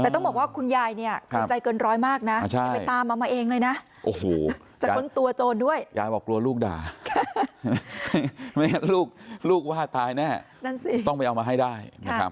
แต่ต้องบอกว่าคุณยายเนี้ย